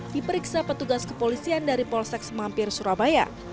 diperiksa petugas kepolisian dari polsek semampir surabaya